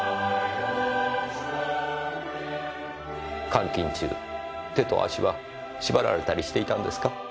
監禁中手と足は縛られたりしていたんですか？